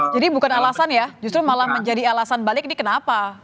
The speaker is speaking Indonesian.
jadi bukan alasan ya justru malah menjadi alasan balik ini kenapa